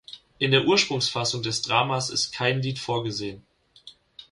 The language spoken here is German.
In der Ursprungsfassung des Dramas ist kein Lied vorgesehen.